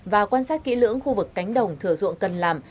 và quan sát kỹ lưỡng khu vực cánh đồng thử dụng cần làm